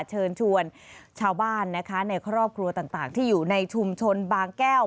เชิญชวนชาวบ้านนะคะในครอบครัวต่างที่อยู่ในชุมชนบางแก้ว